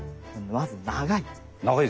まず長い。